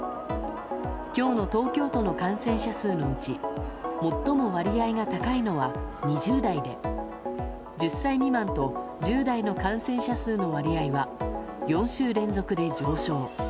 今日の東京都の感染者数のうち最も割合が高いのは２０代で１０歳未満と１０代の感染者数の割合は４週連続で上昇。